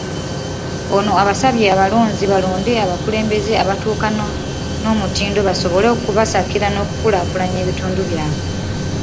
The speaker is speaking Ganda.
Ono abasabye abalonzi balonde abakulembeze abatuukana n'omutindo basobole okubasakira n'okukulaakulanya ebitundu byabwe.